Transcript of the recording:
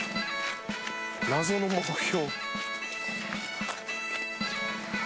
謎の目標。